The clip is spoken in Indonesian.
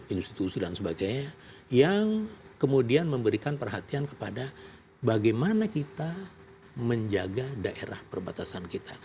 institusi dan sebagainya yang kemudian memberikan perhatian kepada bagaimana kita menjaga daerah perbatasan kita